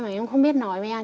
mà em không biết nói với ai